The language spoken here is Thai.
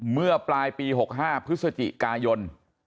เมื่อปลายปี๖๕พฤศจิกายน